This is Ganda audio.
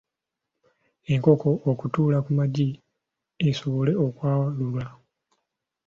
Enkoko okutuula ku magi esobole okwalula